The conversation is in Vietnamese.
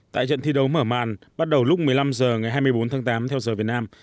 tại trận thi đấu mở màn bắt đầu lúc một mươi năm h ngày hai mươi bốn tháng tám theo giờ việt nam